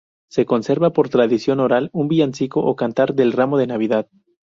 Se conserva por tradición oral un villancico o cantar del ramo de Navidad.